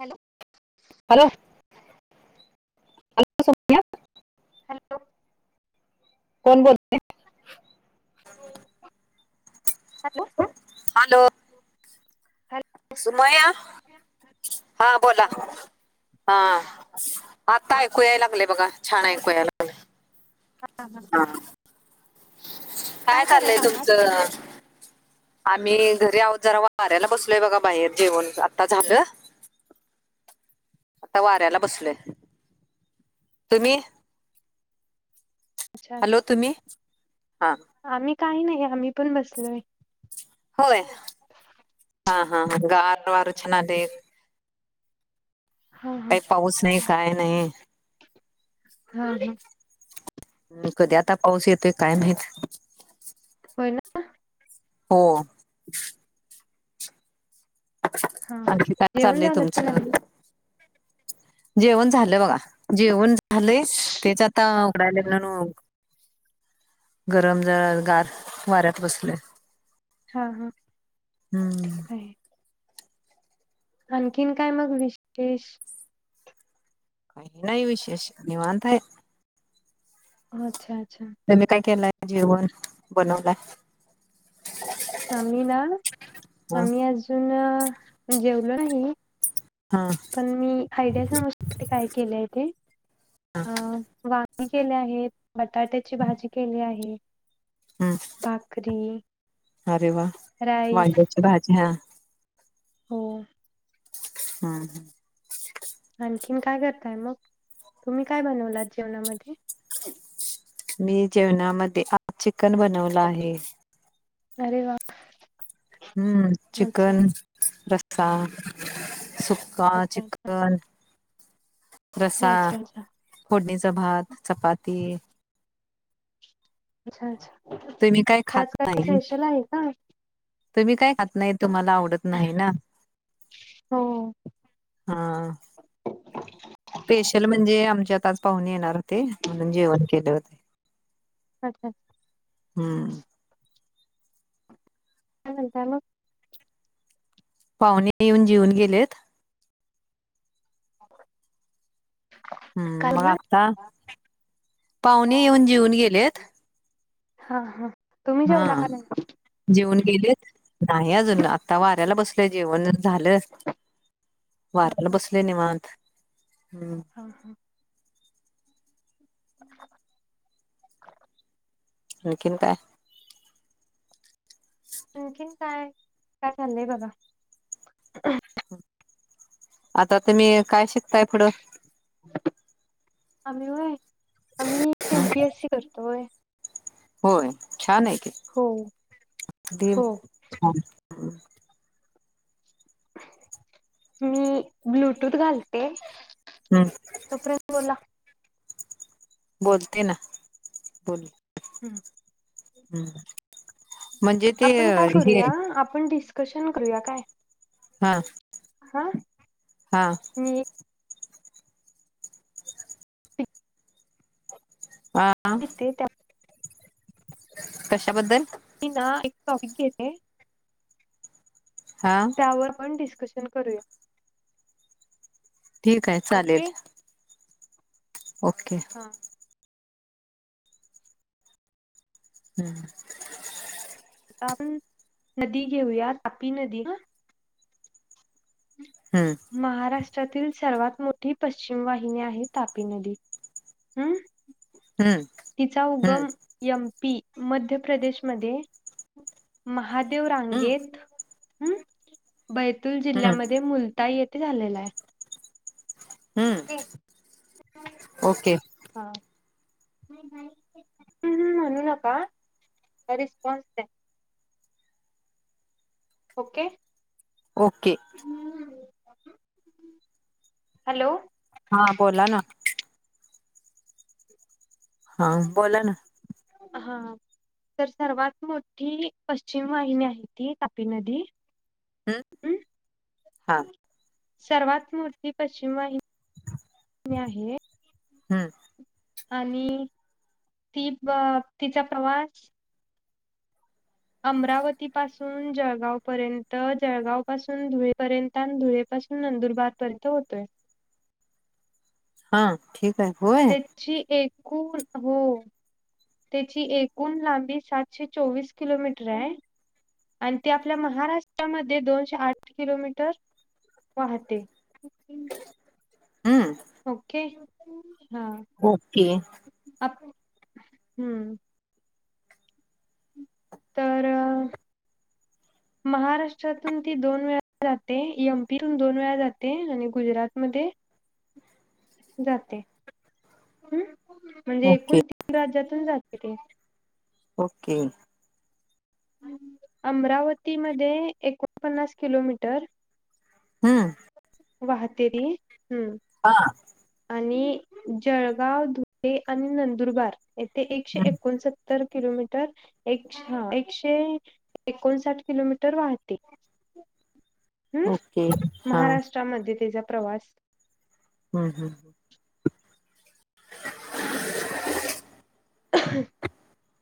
Hello hello hello Sonia hello कोणं बोलतं hello hello hello सुंमयां हां बोलां हां आंता ऐकूं यांय लागले बघां छान ऐकूं यांयला लागले हां हां हां हां कायं चालंय करत आहात? तुमचं आम्हीं घरी आहोत जरां वाऱ्यांला बसलोय बघां बाहेर जेवणं आंता झालं आंता वाऱ्यांला बसलंय तुम्हीं हॅलो तुम्हीचं हां आम्हीं कांहीं नाहीं आम्हीं पणं बसलोय होयं हा हां हां हां गांर वारं पणं छान आलं आहे हा कांहीं पाऊस नाहीं कायं नाहीं हां हंम हम्मं कधीं आंता पाऊस येतोय कायं माहीत पणं अं हो हा हा आंणखी कायं जेवण चाललंय झालं की नाही? तुमचं जेवणं झालं बघां जेवणं झालेय तेचं आंता उघडांयला म्हणूंन गरमं गांर वाऱ्यांत बसलो आहे हां हां ठीक आहे आंणखीन कायं मंग विशेष डिश काही नाहीई विशेष, निवांत हाय. अच्छा! अच्छा! तुम्ही काय केलंय जेवण बनवलाय? आम्ही ना, ह आम्ही अजून जेवलो नाही. हा. पण मी आयडिया अनुसार ते काय केलंय ते. अ वांगी केले आहेत, बटाट्याची भाजी केली आहे. हम्, भाकरी अरे वाह! राईस वांगीची भाजे हा. हम्. हा. आणखीन काय करताय मग? तुम्ही काय बनवलात जेवणामध्ये? मी जेवणामध्ये आज चिकन बनवलं आहे. अरे वाह! हम् चिकन रस्सा, सुक् का अच्छा अच्छा चिकन, - रसा, अच्छा अच्छा फोडणीचा भात, चपाती. अच्छा! अच्छा! तुम्ही काय आज खात काय नाही स्पेशल आहे का? तुम्ही काय खात नाही तुम्हाला आवडत नाही ना. हो. हा. स्पेशल म्हणजे आमच्यात आज पाहूने येणार होते म्हणून जेवण केले होते. अच्छा! हम्म. काय म्हणताय मग? पाहुणे येऊन जेऊन गेलेत. हम्म मग कालला आत्ता? पाहुणे येऊन जिऊन गेलेत. हा हा. तुम्ही हा. जेवला का नाही जेवन गेलेत? नाही अजून आता वाऱ्याला बसलं जेवण झालं. हा वार्याला हा बसले निवत, हम्म. हा हा. [inaudible] [unintelligible] आणखीन काय? आणखीन काय, काय चाललंय बाबा. आता तुम्ही काय शिकताय पुढं? आम्ही होय, आम्ही हम्म, एमपीएस सी करतोय. होय छान आहे की, हो अगदी हो छान. मी ब्लुटूथ घालते. हम्. तो पर्यंत बोला. बोलते ना, बोल हं. हम्म. म्हणजे ते आपण काय करूया आपण डिस्कशन करूया काय? हा. हा. हां. णि [unintelligible] ते त्या कशाबद्दल? मी ना एक टॉपिक घेते. हा. त्यावर पण डिस्कशन करूया. ठीक हाय चालेल. Okay okay. हा. हम्. आता आपण नदी घेऊया तापी नदी ह. [unintelligible] हम्म. महाराष्ट्रातील सर्वात मोठी पश्चिम वाहिनी आहे तापी नदी हम्. हम. तिचा उगम यम पी मध्य प्रदेशमध्ये महादेव हम्म रांगेत ह बैतूल हम्म जिल्ह्यामध्ये मुल ताई येती झालेला हाय. हम्म, ओके. हां हम. हुं हुं म्हणू नका रिस्पॉन्स द्या. ओके. ओके. [unintelligible] हॅलो. हा बोला ना. हां बोला ना? हां आ. तर सर्वात मोठी पश्चिम वाहिनी आहे ती तापी नदी. हम्, हम्म हा. सर्वात मोठी पश्चिम [inaudible] वाहिनी आहे. हम्म. आणी ती ब तिचा प्रवाच अमरावती पासून जळगाव पर्यंत जळगाव पासून धुळेपर्यन त्यानं धुळेपसून नंदुरबार पर्यंत होतोय. हां ठीक हाय, होय. ची एकूळ हो. त्याची एकूण लांबी सातशे चोवीस किलोमीटर राय. आणी ते आपल्या महाराष्ट्रामध्ये दोनशे आठ किलोमीटर वाहते. हम्म. ओके हां. ओके. [unintelligible] हम. तर महाराष्ट्रातून ती दोन वेळा जाते..... एम पी तून दोन वेळा जाते... आणि गुजरातमध्ये जाते. हम्म... म्हणजे ओके एकूण... तीन राज्यातून जाते ती. ओके. अमरावती मध्ये... एकोणपन्नास किलोमीटर हु. वाहते ती. हम्म हां. आणी जळगाव, धुळे आणि नंदुरबार ते एकशे हम्म एकोणसत्तर किलोमीटर... एक... अच्छा... एकशे एकोणसाठ किलोमीटर वाहती. हम्म... ओके हा महाराष्ट्रामध्ये तिचा प्रवास हु... हु. [unintelligible]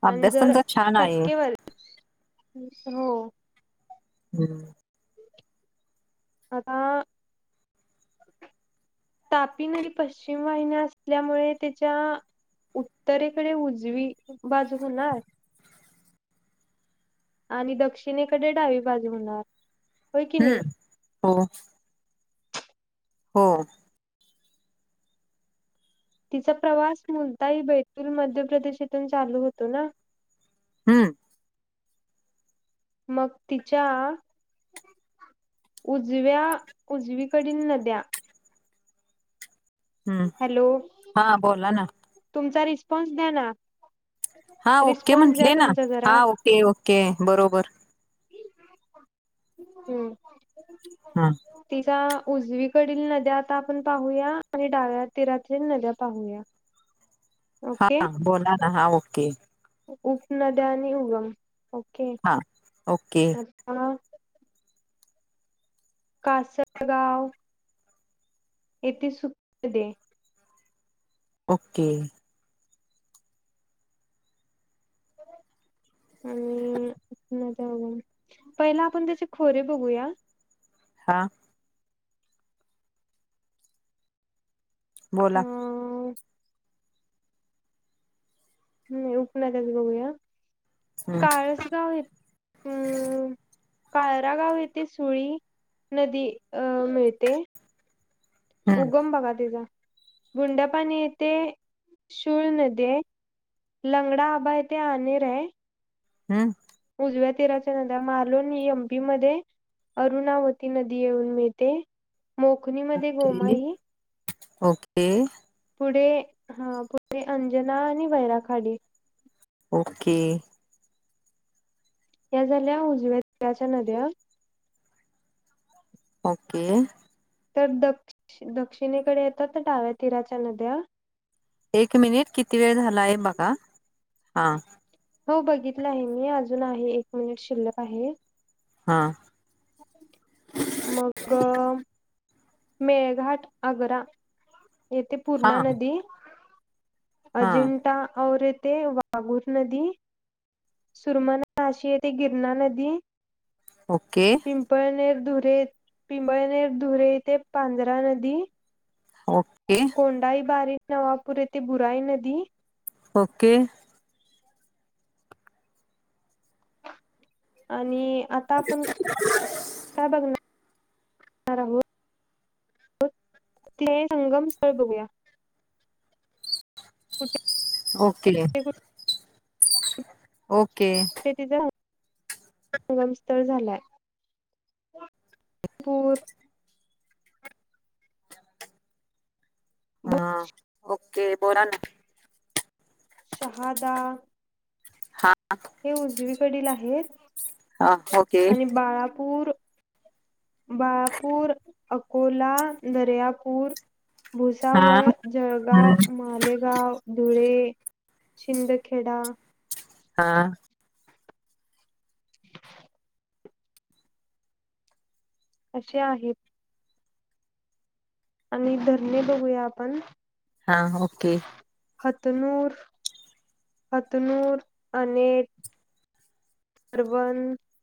आणी अभ्यास जर तुमचा छान आहे टक्केवारी [inaudible] हो. हम्म. आता तापी नदी... पश्चिम वाहिन्या असल्यामुळे... तिच्या उत्तरेकडे... उजवी बाजू होणार. आणी दक्षिणेकडे डावी बाजू होणार. होय की नाही हम्म... हो. हो. तिचा प्रवास मुलताही... बैतूल... मध्य प्रदेशातून चालू होतो ना? हम्म. मग तिच्या उजव्या... उजवीकडील नद्या हम्म... हॅलो हा बोला ना तुमचा रिस्पॉन्स द्या ना हा... ओके रिस्पॉन्स द्या म्हंटले ना... तुमचा जरा हा... ओके ओके... बरोबर. [inaudible] हम्म. हा. तिचा... उजवीकडील नद्या आता आपण पाहूया. आणि डाव्या तीरातील नद्या पाहूया. [inaudible] हा... ओके बोला ना, हा ओके. उपनद्या आणि उगम... ओके... हा ओके [unintelligible] कासलगाव येथे [unintelligible] दे. ओक्के. [unintelligible] आणि... नद्या [unintelligible] पहिलं आपण त्याचे खोरे बघूया हा. अ बोला. नई उपनदयाच बघूया, हम्म काळस गाव ये... हम्म. कायरागाव येथे... सुळी नदी... अं... मिळते. हम्म उगम बगा तिचा... गुंडापानी येथे.. शूळ नदी ए. लंगडा आबा इथं... आणीर ए हं. उजव्या तीराच्या नद्या मालुन, एम पी मध्ये अरुणावती नदी येऊन मिळते. मोखणीमध्ये ठीक. गोमाई ओके. पुढे, हा. पुढे अंजना आणि वैराखाडी. ओके. या झाल्या, उजव्या तिराच्या नद्या. ओके. तर दक्ष - दक्षिणेकडे येतात त्या, डाव्या तिराच्या नद्या. एक मिनिट. किती वेळ झालाय, बघा. हा. हो, बघितलं आहे मी. अजून आहे. एक मिनिट शिल्लक आहे. हा. मग, मेळघाट - आग्रा येथे हा पूर्णा नदी. हा अजिंठा और येथे वा वागूर नदी. सुरमानाशी येतेे गिरणा नदी. ओके. पिंपळनेर - धुरे, पिंपळनेर - धुरे येथे पांजरा नदी. ओके. कोंडाईबारी- नवापूर येथे, बुराई नदी. ओके. आणि आता आपण, काय बघणार आहोत ते संगम स्थळ बघूया. कुठे ओके. [inaudible] ओके. ते तिथं, संगमस्थळ झालाय. [unintelligible] पूर ब [unintelligible] ते पोरांना शहादा हा हे उजवीकडील आहेत. हा ओके [inaudible] आणि बाळापूर बाळापूर, अकोला, दर्यापूर हा भुसावळ, जळगाव हम्म मालेगाव, धुळे, शिंदखेडा हा. [inaudible] अशे आहेत. आणि धरणे बघूया, आपण. हा, ओके. हतनूर. हतनूर. अने अरबन,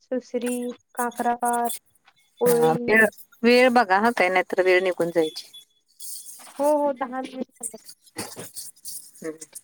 सुसरी, काकराबाद ओके. वेळ बघा हा ताई. नाहीतर, वेळ निघून जायची. हो, हो, दहा मी [inaudible] ह.